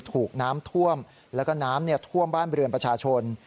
ถูกน้ำท่วมแล้วก็น้ำท่วมบ้านเรือนประชาชน